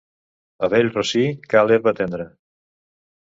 A vell rossí, cal herba tendra.